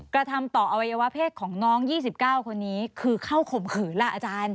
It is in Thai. กระทำต่ออวัยวะเพศของน้อง๒๙คนนี้คือเข้าข่มขืนล่ะอาจารย์